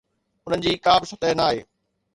انهن جي ڪا به سطح ناهي.